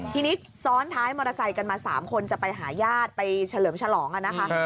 ทีนี้ซ้อนท้ายมอเตอร์ไซค์กันมา๓คนจะไปหาญาติไปเฉลิมฉลองกันนะคะ